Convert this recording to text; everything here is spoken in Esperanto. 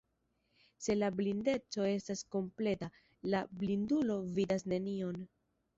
Se la blindeco estas kompleta, la blindulo vidas nenion.